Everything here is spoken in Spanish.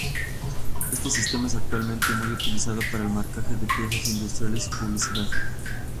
Este sistema es actualmente muy utilizado para el marcaje de piezas industriales y publicidad.